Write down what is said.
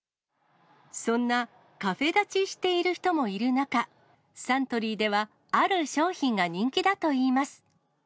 そんなカフェ断ちしている人もいる中、サントリーでは、ある商品が人気だといいます。